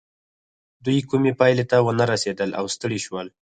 دوی کومې پايلې ته ونه رسېدل او ستړي شول.